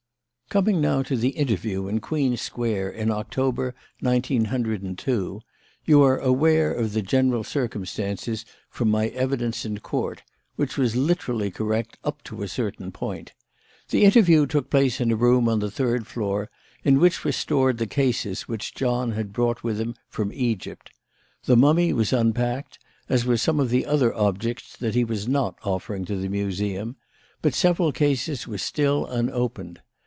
"Coming now to the interview in Queen Square in October, nineteen hundred and two, you are aware of the general circumstances from my evidence in Court, which was literally correct up to a certain point. The interview took place in a room on the third floor, in which were stored the cases which John had brought with him from Egypt. The mummy was unpacked, as were some other objects that he was not offering to the Museum, but several cases were still unopened.